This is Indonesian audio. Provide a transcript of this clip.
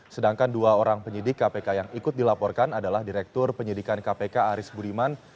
sedangkan dua orang penyidik kpk yang ikut dilaporkan adalah direktur penyidikan kpk aris budiman